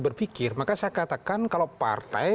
berpikir maka saya katakan kalau partai